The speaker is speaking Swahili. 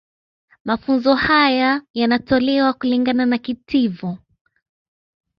Mafunzo haya yanatolewa kulingana na kitivo